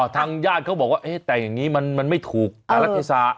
ทางญาติเขาบอกว่าแต่อย่างนี้มันไม่ถูกการรัฐเทศะ